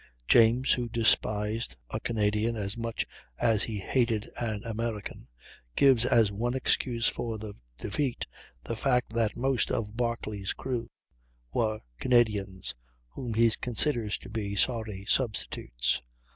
James, who despised a Canadian as much as he hated an American, gives as one excuse for the defeat, the fact that most of Barclay's crew were Canadians, whom he considers to be "sorry substitutes."